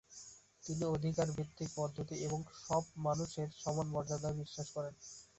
তিনি অধিকার ভিত্তিক পদ্ধতি এবং সব মানুষের সমান মর্যাদায় বিশ্বাস করেন।